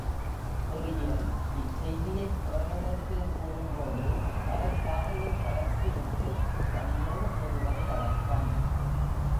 தொரியன் இச் செய்தியைப் பிறரிடத்தில் கூறும்போது, தலைப்பாகையைக் கழற்றிவிட்டுப் பணிவோடு கூறுவது வழக்கம்.